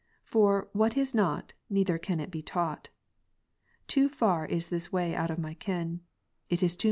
For, what is not, neither Ps. 139 ^^"^^^^^ taught. Too far is this way out of my ken : it is too 6.